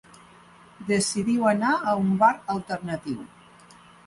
Decidiu anar a un bar alternatiu.